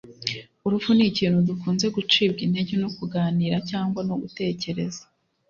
Urupfu nikintu dukunze gucibwa intege no kuganira cyangwa no gutekereza